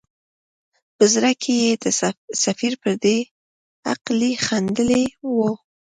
په زړه کې یې د سفیر پر دې بې عقلۍ خندلي وه.